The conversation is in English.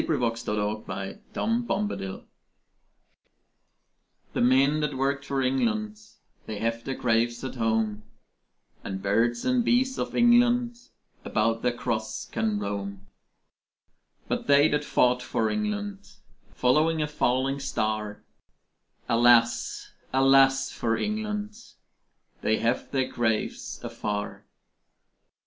ELEGY IN A COUNTRY CHURCHYARD The men that worked for England They have their graves at home: And bees and birds of England About the cross can roam. But they that fought for England, Following a falling star, Alas, alas for England They have their graves afar.